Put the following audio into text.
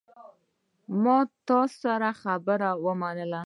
ما ستا خبره ومنله.